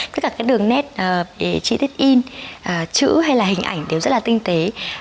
tất cả các đường nét chi tiết in chữ hay là hình ảnh đều rất là tinh tế